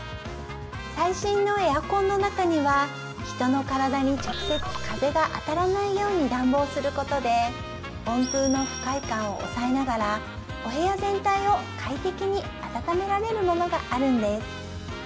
最新のエアコンの中には人の体に直接風が当たらないように暖房することで温風の不快感を抑えながらお部屋全体を快適に暖められるものがあるんです